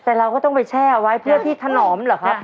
แต่เราก็ต้องไปแช่เอาไว้เพื่อที่ถนอมเหรอครับ